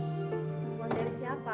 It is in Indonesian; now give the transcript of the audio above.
membuat dari siapa